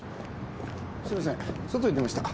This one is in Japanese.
すいません外に出ました。